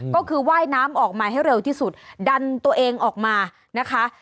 ก็คือว่ายน้ำออกมาให้เร็วที่สุดดันตัวเองออกมานะคะ